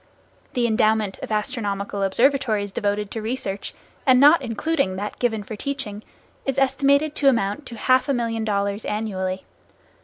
The endowment of astronomical observatories devoted to research, and not including that given for teaching, is estimated to amount to half a million dollars annually.